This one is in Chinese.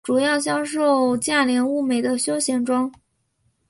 主要销售价廉物美的休闲装。